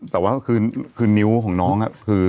แต่ว่าคือนิ้วของน้องคือ